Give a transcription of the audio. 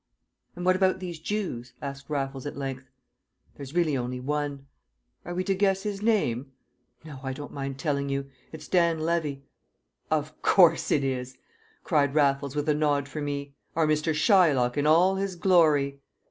"And what about these Jews?" asked Raffles at length. "There's really only one." "Are we to guess his name?" "No, I don't mind telling you. It's Dan Levy." "Of course it is!" cried Raffles with a nod for me. "Our Mr. Shylock in all his glory!"